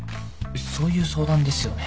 そういう相談ですよね？